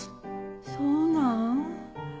そうなん？